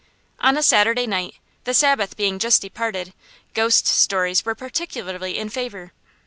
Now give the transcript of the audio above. On a Saturday night, the Sabbath being just departed, ghost stories were particularly in favor.